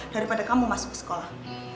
daripada kamu masuk sekolah